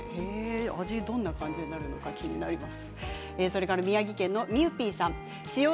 味、どんなになるのか気になります。